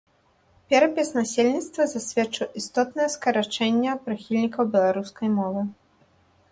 Перапіс насельніцтва засведчыў істотнае скарачэнне прыхільнікаў беларускай мовы.